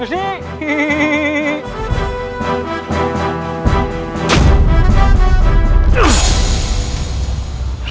saya yakin gusih